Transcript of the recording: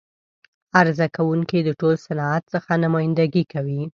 عرضه کوونکی د ټول صنعت څخه نمایندګي کوي.